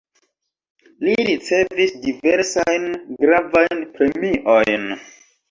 Li ricevis diversajn gravajn premiojn.